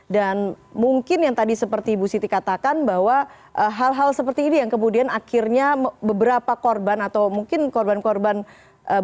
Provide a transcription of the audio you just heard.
dan mungkin yang tadi seperti bu siti katakan bahwa hal hal seperti ini yang kemudian akhirnya beberapa korban atau mungkin korban korban beberapa korban itu akhirnya memilih untuk menangis